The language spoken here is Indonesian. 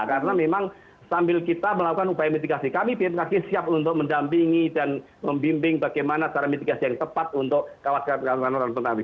karena memang sambil kita melakukan upaya mitigasi kami pnkk siap untuk mendampingi dan membimbing bagaimana cara mitigasi yang tepat untuk kawasan kawasan orang orang tsunami